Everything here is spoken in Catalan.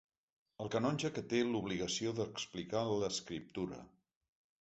El canonge que té l'obligació d'explicar l'Escriptura.